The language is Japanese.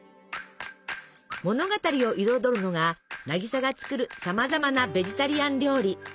物語を彩るのが渚が作るさまざまなベジタリアン料理。